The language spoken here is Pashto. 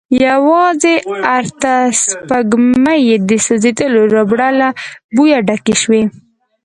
يواځې ارته سپږمې يې د سوځيدلې ربړ له بويه ډکې شوې.